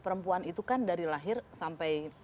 perempuan itu kan dari lahir sampai